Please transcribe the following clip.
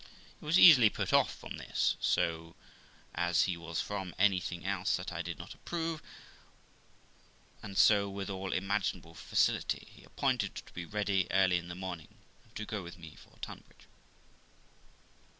He was easily put off from this, as he was from anything else that I did not approve; and so, with all imaginable facility, he appointed to be ready early in the morning, to go with me for Tunbridge.